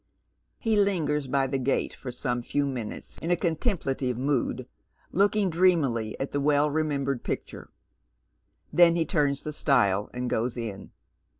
He lingers by the gate for some few minutes in a contem plative mood, looking dreamily at the well remembered picture. Then he turns the stile and goes in.